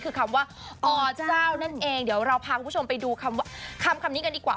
คือคำว่าอเจ้านั่นเองเดี๋ยวเราพาคุณผู้ชมไปดูคำนี้กันดีกว่า